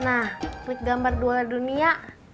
nah quick gambar dua dunia